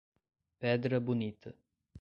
Pedra Bonita